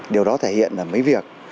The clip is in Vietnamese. điều đó thể hiện là mấy việc